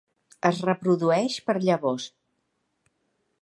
Es reprodueix per llavors.